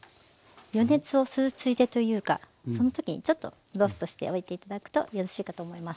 予熱をするついでというかそのときにちょっとローストしておいて頂くとよろしいかと思います。